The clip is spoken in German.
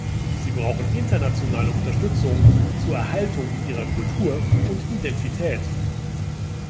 Sie brauchen internationale Unterstützung zur Erhaltung ihrer Kultur und Identität.